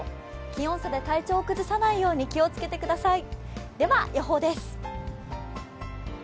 気温差で体調を崩さないように気をつけてください。